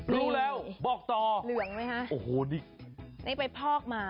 รู้แล้วบอกต่อโอ้โหนี่รู้แล้วเหลืองไหมครับ